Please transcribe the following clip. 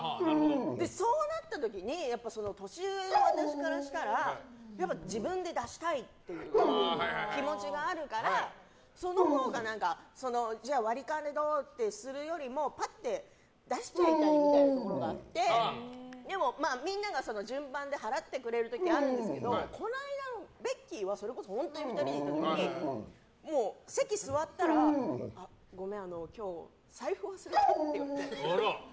そうなった時に年上の私からしたらやっぱ自分で出したいっていう気持ちがあるからそのほうが、割り勘するよりもぱって出しちゃいたいみたいなのがあってみんなが順番で払ってくれる時あるんですけどこの間、ベッキーは本当に２人で行った時に席座ったらごめん、今日財布忘れたって言われて。